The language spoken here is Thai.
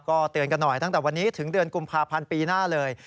ก็เตือนกันหน่อยตั้งแต่วันนี้ถึงเดือนกุมภาพันธ์ปีหน้าเลย